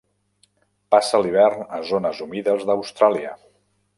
Passa l'hivern a zones humides d'Austràlia.